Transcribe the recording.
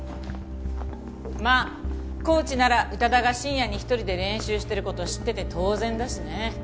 まあコーチなら宇多田が深夜に一人で練習してる事を知ってて当然だしね。